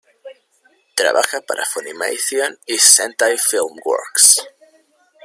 Trabaja para Funimation y Sentai Filmworks.